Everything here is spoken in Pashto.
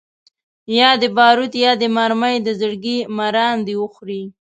یا دي باروت یا دي مرمۍ د زړګي مراندي وخوري